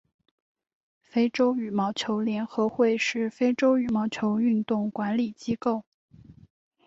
非洲羽毛球联合会是非洲羽毛球运动管理机构。